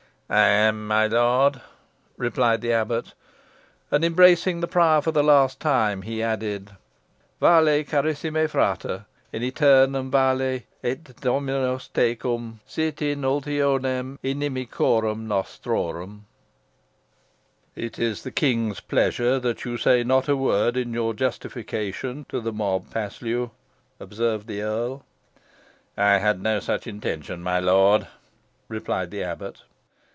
"I am, my lord," replied the abbot. And embracing the prior for the last time, he added, "Vale, carissime frater, in æternum vale! et Dominus tecum sit in ultionem inimicorum nostrorum!" "It is the king's pleasure that you say not a word in your justification to the mob, Paslew," observed the earl. "I had no such intention, my lord," replied the abbot.